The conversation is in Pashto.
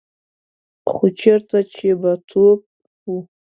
خو چېرته چې به توپ و.